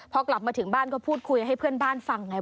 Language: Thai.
พอกลับมาถึงบ้านก็พูดคุยให้เพื่อนบ้านฟังไง